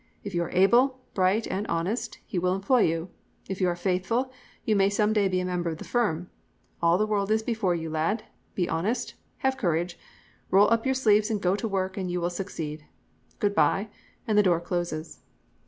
If you are able, bright, and honest he will employ you. If you are faithful you may some day be a member of the firm. All the world is before you, lad. Be honest, have courage. Roll up your sleeves and go to work and you will succeed. Goodbye!' and the door closes.